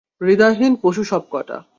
হৃদয়হীন পশু সবকটা!